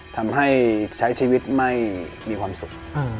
ทำให้ใช้ชีวิตไม่มีความสุข